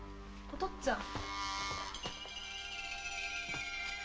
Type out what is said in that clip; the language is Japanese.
お父っつぁん。